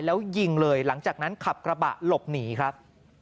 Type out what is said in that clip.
แล้วยิงเลยหลังจากนั้นขับกระบะหลบหนีครับ